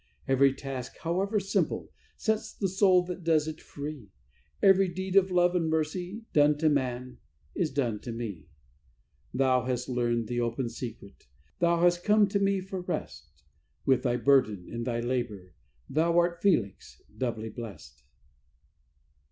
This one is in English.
"Every task, however simple, sets the soul that does it free; Every deed of love and mercy, done to man, is done to me. "Thou hast learned the open secret; thou hast come to me for rest; With thy burden, in thy labour, thou art Felix, doubly blest.